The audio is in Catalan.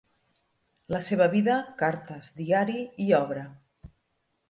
La seva vida, cartes, diari i obra.